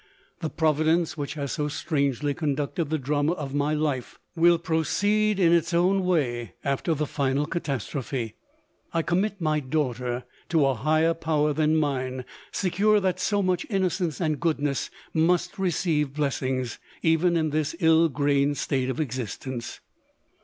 The providence which has so strangely cjnducted the drama of my life, will proceed in its own way after the final catastrophe. I commit my daughter to a higher power than mine, secure that so much innocence and goodness must receive bless ings, even in this ill grained state of existence.